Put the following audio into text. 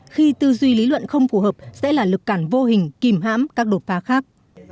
khi tư duy lý luận không phù hợp sẽ là lực cản vô hình kìm hãm các đột phá khác